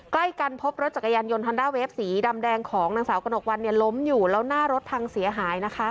ใกล้กันพบรถจักรยานยนต์ฮอนด้าเวฟสีดำแดงของนางสาวกระหนกวันเนี่ยล้มอยู่แล้วหน้ารถพังเสียหายนะคะ